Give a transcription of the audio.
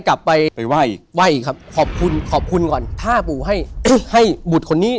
กลับไปไปไหว้ไหว้อีกครับขอบคุณขอบคุณก่อนถ้าปู่ให้ให้บุตรคนนี้